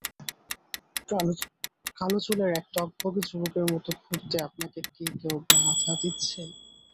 কালো চুলের এক টগবগে যুবকের মতো ঘুরতে আপনাকে কী কেউ বাধা দিচ্ছে?